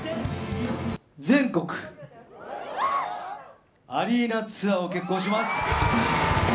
全国アリーナツアーを決行します。